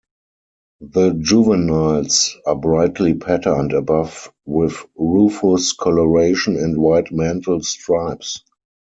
The juveniles are brightly patterned above with rufous colouration and white mantle stripes.